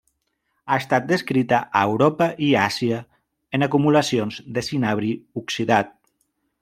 Ha estat descrita a Europa i Àsia en acumulacions de cinabri oxidat.